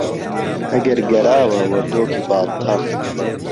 ئهگەر گەراوه وەردۆکی باڵتەڕ